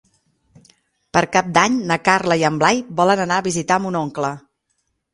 Per Cap d'Any na Carla i en Blai volen anar a visitar mon oncle.